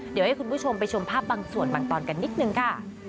เดี๋ยวให้คุณผู้ชมไปชมภาพบางส่วนบางตอนกันนิดนึงค่ะ